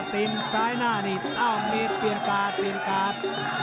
ตีนซ้ายหน้านี่อ้าวมีเปลี่ยนการ์ดเปลี่ยนการ์ด